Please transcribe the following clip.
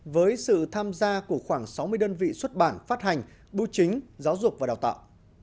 với sự tham gia của khoảng sáu mươi đơn vị xuất bản phát hành bưu chính giáo dục và đào tạo